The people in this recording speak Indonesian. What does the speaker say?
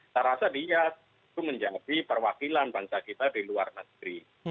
saya rasa dia itu menjadi perwakilan bangsa kita di luar negeri